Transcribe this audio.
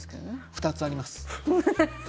２つあります。